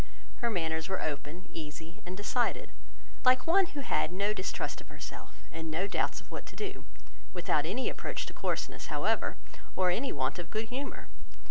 Her manners were open, easy, and decided, like one who had no distrust of herself, and no doubts of what to do; without any approach to coarseness, however, or any want of good humour.